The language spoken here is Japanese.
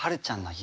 夢？